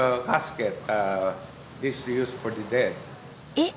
えっ！